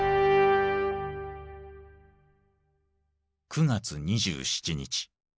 ９月２７日。